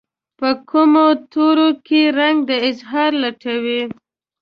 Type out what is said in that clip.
په کومو تورو کې رنګ د اظهار لټوي